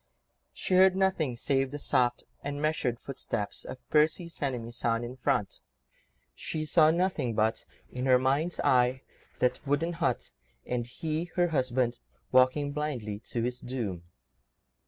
She heard nothing save the soft and measured footsteps of Percy's enemies on in front; she saw nothing but—in her mind's eye—that wooden hut, and he, her husband, walking blindly to his doom.